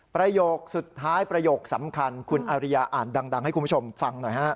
ประโยคสุดท้ายประโยคสำคัญคุณอาริยาอ่านดังให้คุณผู้ชมฟังหน่อยฮะ